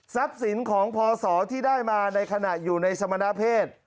ทรัพย์สินของพอสวนที่ได้มาในขณะอยู่ในสมณะเพศ